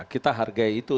kita hargai itu